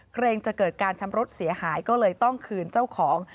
เกรงจะเกิดการชำรุดเสียหายก็เลยต้องคืนเจ้าของ